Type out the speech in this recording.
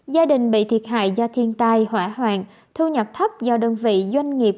gia đình bị thiệt hại do thiên tai hỏa hoạn thu nhập thấp do đơn vị doanh nghiệp